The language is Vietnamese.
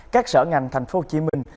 các sở ngành thành phố hồ chí minh